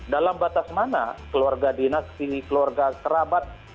dalam batas mana keluarga dinasti keluarga kerabat